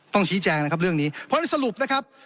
ต้องชี้แจงนะครับเรื่องนี้เพราะในสรุปนะครับ